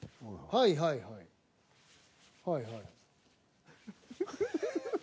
はいはいはいはい。